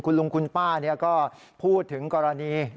คุณลุงคุณป้าก็พูดถึงกรณี